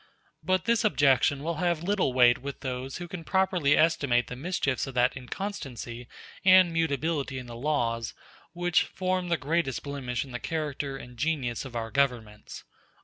But this objection will have little weight with those who can properly estimate the mischiefs of that inconstancy and mutability in the laws which form the greatest blemish in the character and genius of our governments."